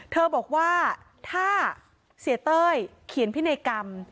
เธอบอกว่าถ้าเสียเต้ยเขียนพินัยกรรม